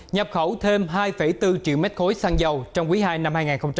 nhập khẩu thêm hai bốn triệu mét khối xăng dầu trong quý ii năm hai nghìn hai mươi